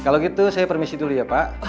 kalau gitu saya permisi dulu ya pak